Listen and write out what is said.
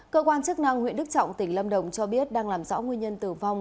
cơ quan chức năng huyện đức trọng tỉnh lâm đồng cho biết đang làm rõ nguyên nhân tử vong